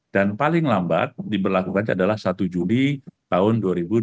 dan paling lambat diberlakukan adalah satu juli tahun dua ribu dua puluh lima